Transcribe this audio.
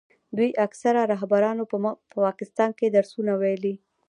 دوی اکثرو رهبرانو په پاکستان کې درسونه ویلي.